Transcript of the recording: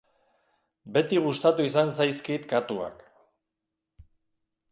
Beti gustatu izan zaizkit katuak.